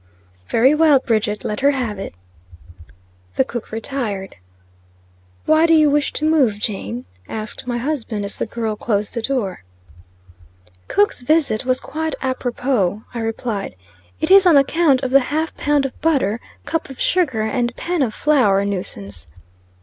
"Very well, Bridget, let her have it." The cook retired. "Why do you wish to move, Jane?" asked my husband, as the girl closed the door. "Cook's visit was quite apropos," I replied. "It is on account of the 'half pound of butter,' 'cup of sugar,' and 'pan of flour' nuisance."